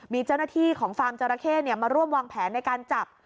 มีเจ้าหน้าที่ของฟาร์มจราเข้มาร่วมวางแผนในการจับ